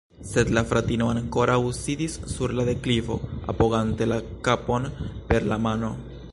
Sed la fratino ankoraŭ sidis sur la deklivo, apogante la kapon per la mano.